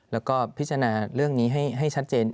แล้วก็พิจารณาเรื่องนี้ให้ชัดเจน